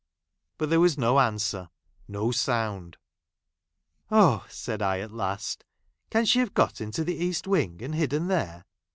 But there was no answer ; no sound. " Oh !" said I at last, " Can she have got ; into the east wing and hidden there